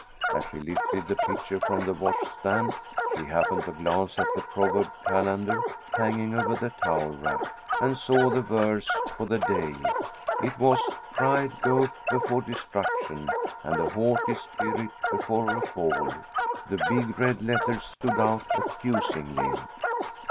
As she lifted the pitcher from the wash stand, she happened to glance at the proverb calendar hanging over the towel rack, and saw the verse for the day. It was "Pride goeth before destruction, and a haughty spirit before a fall." The big red letters stood out accusingly.